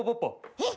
えっ？